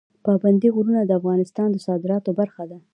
پابندی غرونه د افغانستان د صادراتو برخه ده.